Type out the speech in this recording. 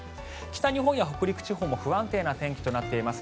北日本、北陸地方も不安定な天気です。